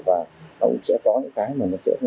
và họ cũng sẽ có những cái mà nó sẽ tùy tùy nước